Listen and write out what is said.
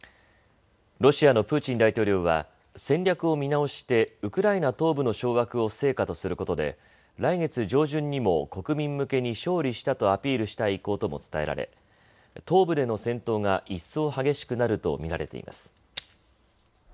ロシアのプーチン大統領は戦略を見直してウクライナ東部の掌握を成果とすることで来月上旬にも国民向けに勝利したとアピールしたい意向とも伝えられ東部での戦闘が一層激しくなると見られています。